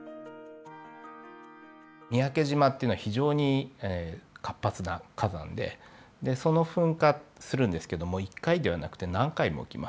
三宅島っていうのは非常に活発な火山で噴火するんですけども一回ではなくて何回も起きます。